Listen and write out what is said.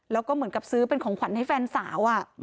แล้วก็เหมือนกับซื้อเป็นของขวัญให้แฟนสาว